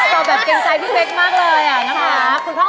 ตอบแบบเกรงใจพี่เป๊กมากเลยอะนะคะ